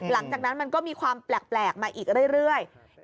หลังจากนั้นมันก็มีความแปลกมาอีกเรื่อย